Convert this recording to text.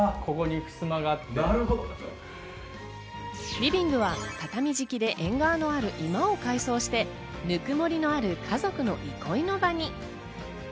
リビングは畳敷きで縁側があり居間を改装して、ぬくもりのある家族の憩いの場に。